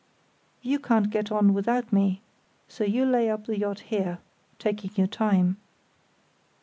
"You can't get on without me, so you lay up the yacht here—taking your time."